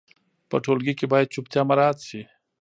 په ټولګي کې باید چوپتیا مراعت سي.